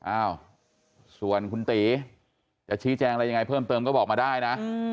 อ้าวส่วนคุณตีจะชี้แจงอะไรยังไงเพิ่มเติมก็บอกมาได้นะ